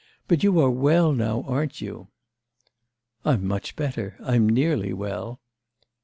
But you are well now, aren't you?' 'I'm much better, I'm nearly well.